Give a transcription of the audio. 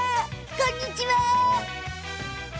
こんにちは！